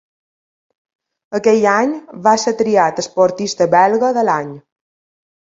Aquell any va ser triat esportista belga de l'any.